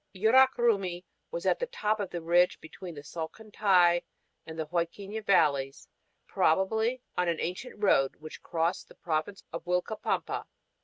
Yurak Rumi is on top of the ridge between the Salcantay and Huadquiña valleys, probably on an ancient road which crossed the province of Uilcapampa.